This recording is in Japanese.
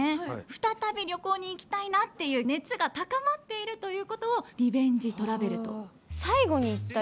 再び旅行に行きたいなという熱が高まっているということをリベンジトラベルと。